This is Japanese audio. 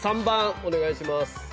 ３番お願いします。